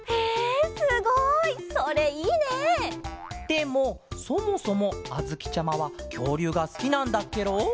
でもそもそもあづきちゃまはきょうりゅうがすきなんだっケロ？